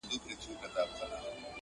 قلا د مېړنو ده څوک به ځي څوک به راځي٫